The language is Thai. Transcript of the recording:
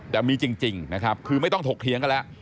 แต่มีจริงนะครับคือไม่ต้องถกเถียงกันแล้ว